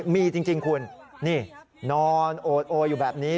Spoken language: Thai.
มีจริงคุณนี่นอนโอดโออยู่แบบนี้